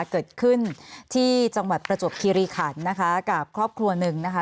เกิดขึ้นที่จังหวัดประจวบคิริขันนะคะกับครอบครัวหนึ่งนะคะ